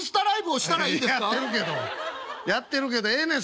やってるけどやってるけどええねん